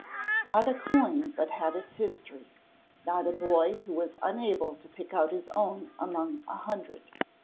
Not a coin but had its history, not a boy who was unable to pick out his own among a hundred.